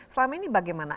selama ini bagaimana